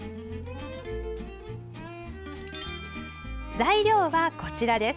材料はこちらです。